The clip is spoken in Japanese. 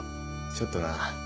ちょっとな。